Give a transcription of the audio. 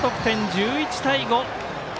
１１対５！